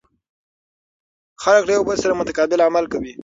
خلک له یو بل سره متقابل عمل کوي.